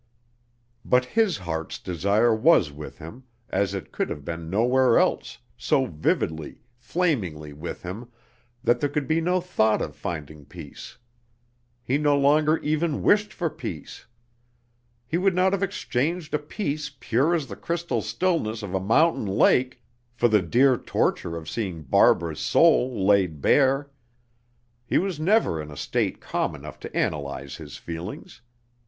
But his heart's desire was with him, as it could have been nowhere else, so vividly, flamingly with him, that there could be no thought of finding peace. He no longer even wished for peace. He would not have exchanged a peace pure as the crystal stillness of a mountain lake, for the dear torture of seeing Barbara's soul laid bare. He was never in a state calm enough to analyze his feelings.